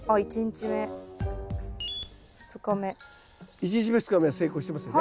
１日目２日目は成功してますよね。